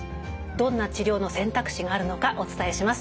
どんな治療の選択肢があるのかお伝えします。